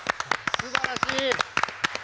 すばらしい！